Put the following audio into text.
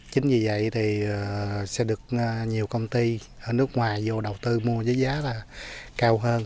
chính vì vậy thì sẽ được nhiều công ty ở nước ngoài vô đầu tư mua với giá cao hơn